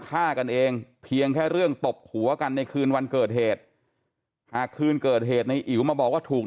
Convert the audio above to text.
แต่คนที่เขาอยู่ด้วยวันนั้นเขาได้ยินทุกคน